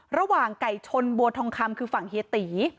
ระหว่างไก่ชนบัวทองคำคือฝั่งเฮียตี